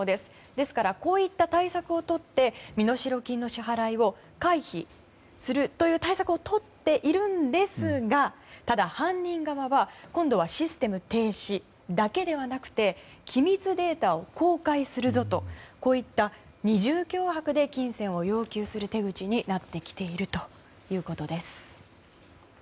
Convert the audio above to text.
ですからこういった対策をとって身代金の支払いを回避するという対策をとっているんですがただ、犯人側は今度はシステム停止だけではなくて機密データを公開するぞとこういった二重脅迫で金銭を要求する手口になってきているということです。